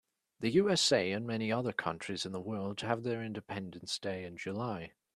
The USA and many other countries of the world have their independence day in July.